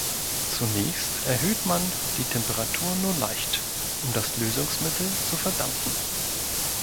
Zunächst erhöht man die Temperatur nur leicht um das Lösungsmittel zu verdampfen.